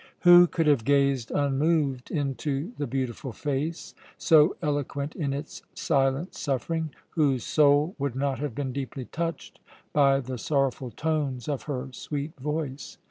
Who could have gazed unmoved into the beautiful face, so eloquent in its silent suffering, whose soul would not have been deeply touched by the sorrowful tones of her sweet voice?